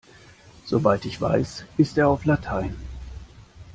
Soweit ich weiß, ist er auf Latein.